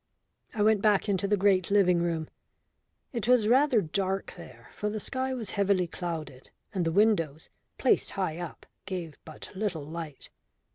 I went back into the great living room. It was rather dark there, for the sky was heavily clouded and the windows, placed high up, gave but little light.